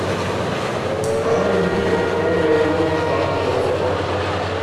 Die Fahrer rücken auf freiwerdende Startplätze auf.